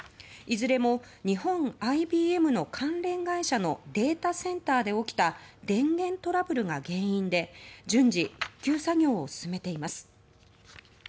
いずれも日本ＩＢＭの関連会社のデータセンターで起きた電源トラブルが原因で順次、復旧作業を進めています。